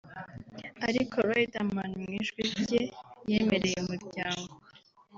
ariko Riderman mu ijwi rye yemereye Umuryango